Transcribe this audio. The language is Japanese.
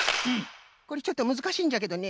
これちょっとむずかしいんじゃけどねえ